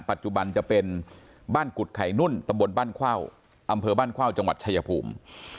ปัจจุบันจะเป็นบ้านกุฎไข่นุ่นตำบลบ้านเข้าอำเภอบ้านเข้าจังหวัดชายภูมิ